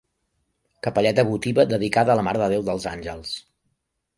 Capelleta votiva dedicada a la Mare de Déu dels Àngels.